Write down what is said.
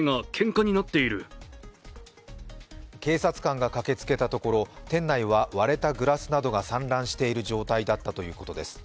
警察官が駆けつけたところ店内は割れたグラスなどが散乱している状態だったということです。